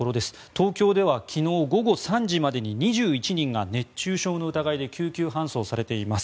東京では昨日午後３時までに２１人が熱中症の疑いで救急搬送されています。